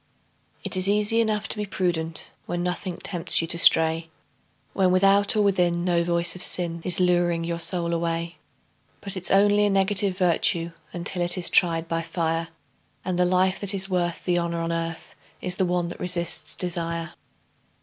It is easy enough to be prudent, When nothing tempts you to stray, When without or within no voice of sin Is luring your soul away; But it's only a negative virtue Until it is tried by fire, And the life that is worth the honor on earth, Is the one that resists desire.